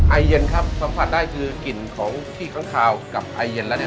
ไอเย็นครับสัมผัสได้คือกลิ่นของขี้ค้างคาวกับไอเย็นแล้วเนี่ย